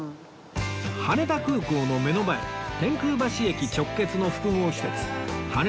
羽田空港の目の前天空橋駅直結の複合施設